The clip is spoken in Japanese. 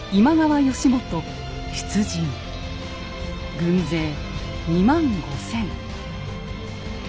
軍勢２万５，０００。